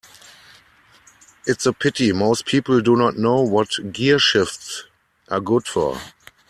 It's a pity most people do not know what gearshifts are good for.